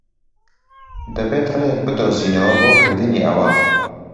دەبێت ڕێیەک بدۆزینەوە بۆ کردنی ئەوە.